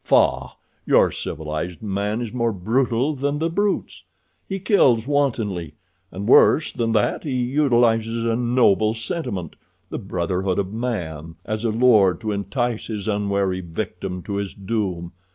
Faugh, your civilized man is more brutal than the brutes. He kills wantonly, and, worse than that, he utilizes a noble sentiment, the brotherhood of man, as a lure to entice his unwary victim to his doom.